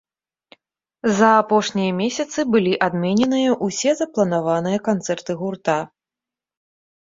За апошнія месяцы былі адмененыя ўсе запланаваныя канцэрты гурта.